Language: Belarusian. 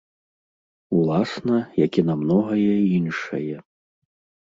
Уласна, як і на многае іншае.